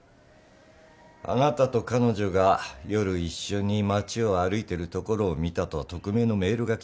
あなたと彼女が夜一緒に街を歩いてるところを見たと匿名のメールが来たんです。